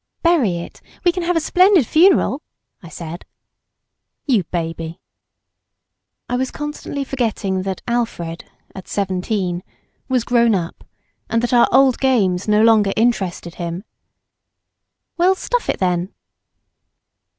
"Bury it, we can have a splendid funeral," I said. "You baby!" I was constantly forgetting that Alfred, at seventeen, was grown up, and that our old games no longer interested him. "Well stuff it, then."